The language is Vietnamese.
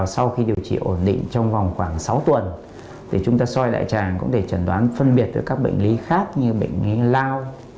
sau khi điều trị ổn định trong vòng khoảng sáu tuần chúng ta soi đại tràng cũng để chẩn đoán phân biệt với các bệnh lý khác như bệnh lý lao